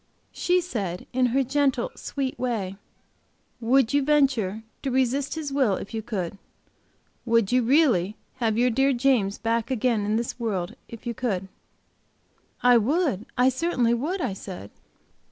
She said, in her gentle, sweet way : 'Would you venture to resist His will, if you could? Would you really have your dear James back again in this world, if you could?" 'I would, I certainly would,' I said.